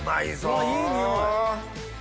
うわいい匂い！